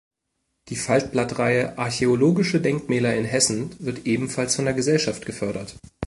Die Faltblatt-Reihe "Archäologische Denkmäler in Hessen" wird ebenfalls von der Gesellschaft gefördert.